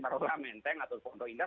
paruh paruh menteng atau ponto indah